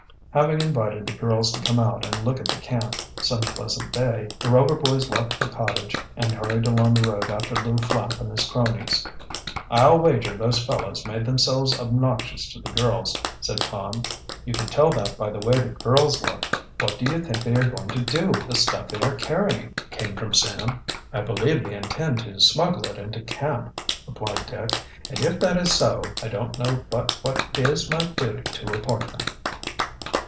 Having invited the girls to come and look at the camp some pleasant day the Rover boys left the cottage and hurried along the road after Lew Flapp and his cronies. "I'll wager those fellows made themselves obnoxious to the girls," said Tom. "You could tell that by the way the girls looked." "What do you think they are going to do with the stuff they are carrying?" came from Sam. "I believe they intend to smuggle it into camp," replied Dick. "And if that is so, I don't know but what it is my duty to report them."